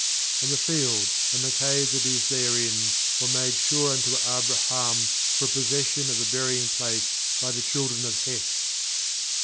20And the field, and the cave that is therein, were made sure unto Abraham for a possession of a burying place by the children of Hcth.